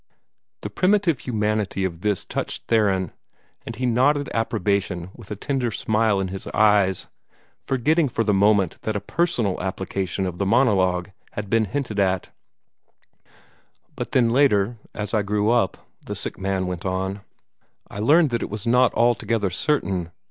The primitive humanity of this touched Theron, and he nodded approbation with a tender smile in his eyes, forgetting for the moment that a personal application of the monologue had been hinted at. "But then later, as I grew up," the sick man went on, "I learned that it was not altogether certain.